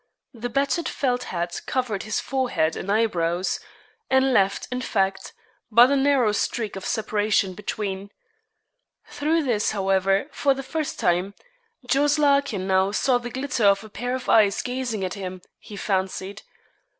The battered felt hat covered his forehead and eyebrows, and left, in fact, but a narrow streak of separation between. Through this, however, for the first time, Jos. Larkin now saw the glitter of a pair of eyes gazing at him, he fancied.